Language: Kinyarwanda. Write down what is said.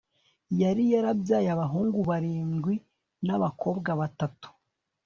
yari yarabyaye abahungu barindwi n'abakobwa batatu